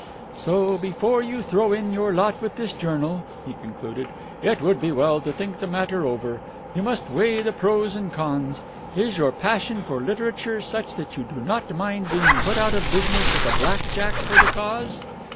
"So, before you throw in your lot with this journal," he concluded, "it would be well to think the matter over. You must weigh the pros and cons. Is your passion for literature such that you do not mind being put out of business with a black jack for the cause?